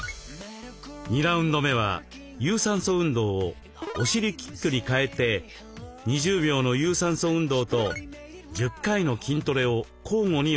２ラウンド目は有酸素運動をお尻キックに変えて２０秒の有酸素運動と１０回の筋トレを交互に行いました。